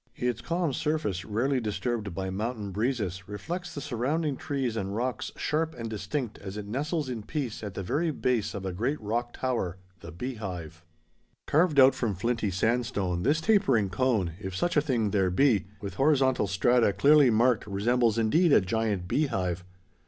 Its calm surface, rarely disturbed by mountain breezes, reflects the surrounding trees and rocks sharp and distinct as it nestles in peace at the very base of a great rock tower—the Beehive. Carved out from flinty sandstone, this tapering cone, if such a thing there be, with horizontal strata clearly marked resembles indeed a giant beehive.